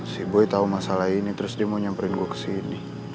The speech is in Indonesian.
si boy tau masalah ini terus dia mau nyamperin gua kesini